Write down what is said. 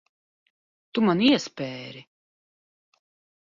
Tu man iespēri.